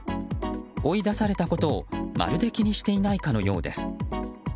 追い出されたことをまるで気にしていないかのようです。